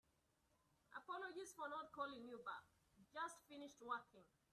Apologies for not calling you back. Just finished working.